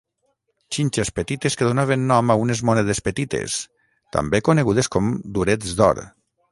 Xinxes petites que donaven nom a unes monedes petites, també conegudes com “durets d'or”.